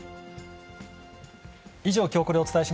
以上、きょうコレをお伝えし